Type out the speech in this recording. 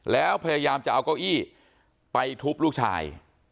แล้วพยายามจะเอาเก้าอี้ไปทุบลูกชาย